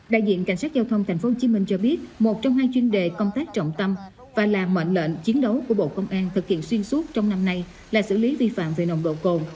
đại diện cảnh sát giao thông tp hcm cho biết một trong hai chuyên đề công tác trọng tâm và là mệnh lệnh chiến đấu của bộ công an thực hiện xuyên suốt trong năm nay là xử lý vi phạm về nồng độ cồn